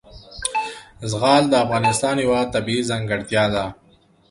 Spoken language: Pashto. زغال د افغانستان یوه طبیعي ځانګړتیا ده.